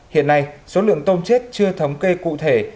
hiện nay số lượng tôm chết chưa thống kê cụ thể